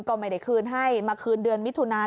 ก็ไม่ได้คืนให้มาคืนเดือนมิถุนา